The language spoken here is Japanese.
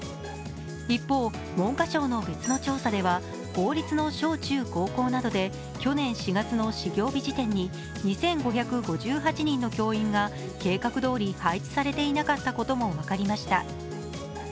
一方、文科省の別の調査では公立の小中高校などで去年４月の始業日時点に２５５８人の教員が計画どおり配置されていなかったことも分かりました。